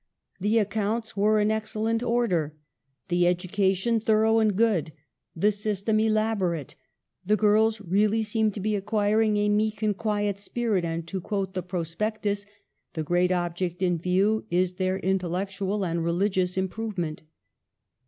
The accounts were in excel lent order, the education thorough and good, the system elaborate, the girls really seemed to be acquiring a meek and quiet spirit; and, to quote the prospectus, " the great object in view is their intellectual and religious improvement."